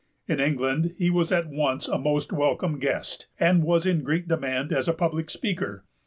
In England he was at once a most welcome guest, and was in great demand as a public speaker.